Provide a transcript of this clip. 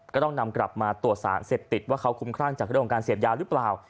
ก็ต้องนำกลับมาตรวจสารเสพติดว่าเขาคุ้มครั่งจากเรื่องของการเสพยาหรือเปล่า